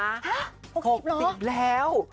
หัะ๖๐แล้ว